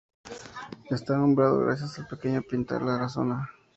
Está nombrado gracias al pequeño pinar de la zona.